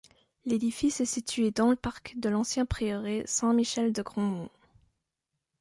L'édifice est situé dans le parc de l'ancien prieuré Saint-Michel de Grandmont.